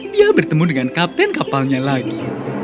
dia bertemu dengan kapten kapalnya lagi